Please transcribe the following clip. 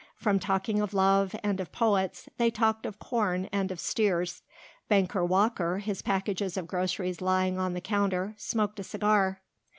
From talking of love and of poets they talked of corn and of steers. Banker Walker, his packages of groceries lying on the counter, smoked a cigar.